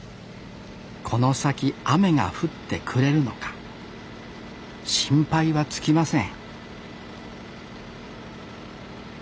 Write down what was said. この先雨が降ってくれるのか心配は尽きません